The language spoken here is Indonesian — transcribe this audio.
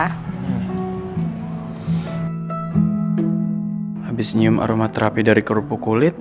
habis nyium aroma terapi dari kerupuk kulit